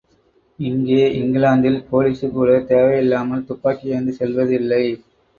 இங்கே இங்கிலாந்தில் போலீசுகூட தேவை இல்லாமல் துப்பாக்கி ஏந்திச் செல்வது இல்லை.